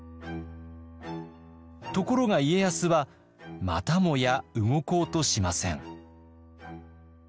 ところが家康はまたもや動こうとしません。